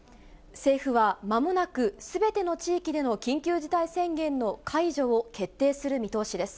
政府はまもなくすべての地域での緊急事態宣言の解除を決定する見通しです。